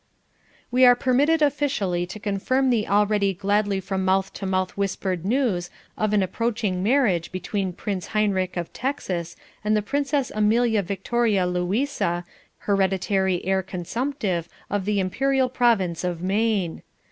We are permitted officially to confirm the already gladly from mouth to mouth whispered news of an approaching marriage between Prince Heinrich of Texas and the Princess Amelia Victoria Louisa, Hereditary Heir Consumptive of the Imperial Provinz of Maine.